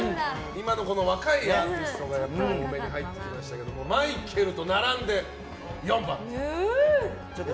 今の若いアーティストが多めに入ってきましたけどマイケルと並んで４番と。